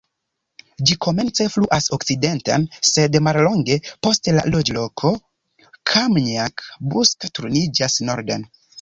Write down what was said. Ĝi komence fluas okcidenten, sed mallonge post la loĝloko Kamjanka-Buska turniĝas norden.